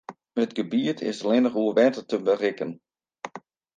It gebiet is allinnich oer wetter te berikken.